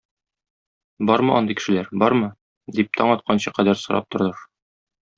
Бармы андый кешеләр, бармы? - дип, таң атканчыга кадәр сорап торыр.